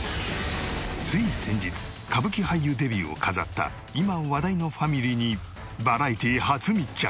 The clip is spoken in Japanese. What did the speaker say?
つい先日歌舞伎俳優デビューを飾った今話題のファミリーにバラエティー初密着。